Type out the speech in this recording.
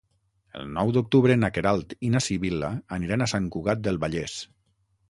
El nou d'octubre na Queralt i na Sibil·la aniran a Sant Cugat del Vallès.